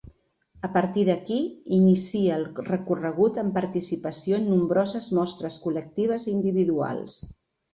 A partir d’aquí, inicia el recorregut amb participació en nombroses mostres col·lectives i individuals.